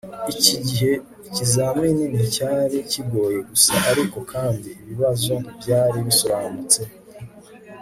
Iki gihe ikizamini nticyari kigoye gusa ariko kandi ibibazo ntibyari bisobanutse